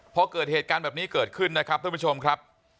พอเกิดเหตุการณ์แบบนี้เกิดขึ้นนะครับท่านผู้ชมครับ